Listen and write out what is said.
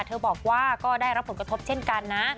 เธอบอกว่าก็ได้รับผลกระทบเช่นกันนะ